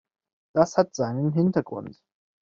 Das hat seinen Hintergrund.